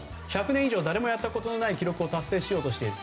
１００年以上誰もやったことのない記録を達成しようとしている。